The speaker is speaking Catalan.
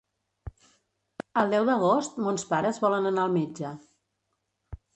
El deu d'agost mons pares volen anar al metge.